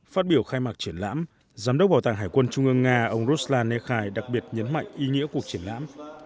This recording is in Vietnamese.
phát biểu khai mạc triển lãm giám đốc bảo tàng hải quân trung ương nga ông roslan nekhai đặc biệt nhấn mạnh ý nghĩa cuộc triển lãm